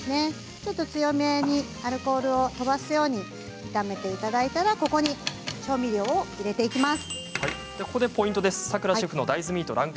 ちょっと強めにアルコールを飛ばすように炒めていただいたらここに調味料を入れていきます。